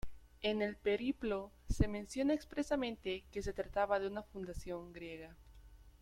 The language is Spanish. En el periplo se menciona expresamente que se trataba de una fundación griega.